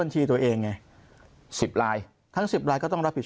ใช่ค่ะ